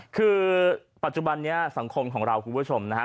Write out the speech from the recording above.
คือปัจจุบันนี้สังคมของเราคุณผู้ชมนะฮะ